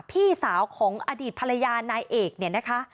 พี่สาวของอดีตภรรยานายเอกเนี่ยนะคะ